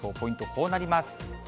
こうなります。